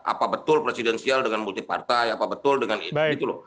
apa betul presidensial dengan multi partai apa betul dengan itu gitu loh